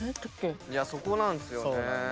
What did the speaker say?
そこなんですよね。